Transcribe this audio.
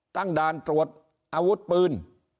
ตั้งด่านตรวจอาวุธปืน